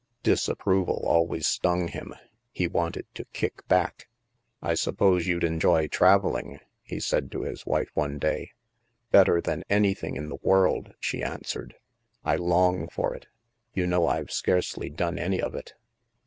Disapproval always stung him ; he wanted to kick back. " I suppose you'd enjoy traveling," he said to his wife one day. " Better than an3rthing in the world," she an swered. " I long for it. You know I've scarcely done any of it."